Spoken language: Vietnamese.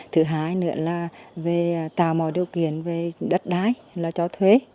thứ hai nữa là tạo mọi điều kiện về đất đáy cho thuê